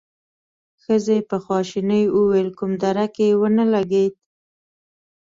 ښځې په خواشينۍ وويل: کوم درک يې ونه لګېد؟